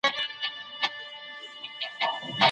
که ښځې کار وکړي نو دسترخوان به تش نه وي.